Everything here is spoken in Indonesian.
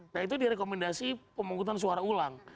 nah itu direkomendasi pemungkutan suara ulang